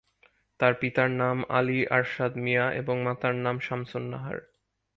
তার পিতার নাম আলী আরশাদ মিয়া এবং মাতার নাম শামসুন নাহার।